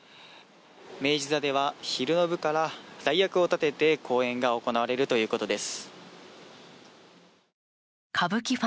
明治座では昼の部から代役を立てて公演が行われるということです。